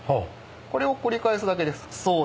これを繰り返すだけです。